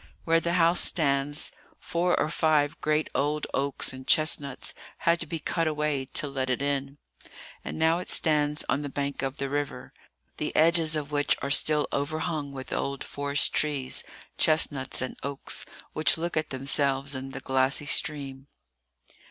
Where the house stands, four or five great old oaks and chestnuts had to be cut away to let it in; and now it stands on the bank of the river, the edges of which are still overhung with old forest trees, chestnuts and oaks, which look at themselves in the glassy stream.